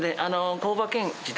工場兼自宅。